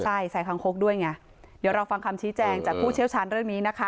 ใช่ใส่คางคกด้วยไงเดี๋ยวเราฟังคำชี้แจงจากผู้เชี่ยวชาญเรื่องนี้นะคะ